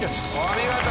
お見事！